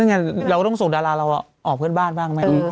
ไงเราต้องส่งดาราเราออกเพื่อนบ้านบ้างไหม